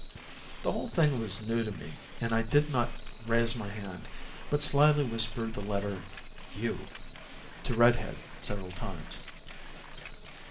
The whole thing was new to me, and I did not raise my hand, but slyly whispered the letter "u" to "Red Head" several times.